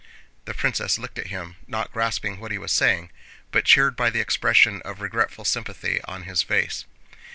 The princess looked at him, not grasping what he was saying, but cheered by the expression of regretful sympathy on his face.